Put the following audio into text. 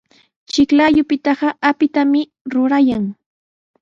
Chiklayupitaqa apitami rurayan.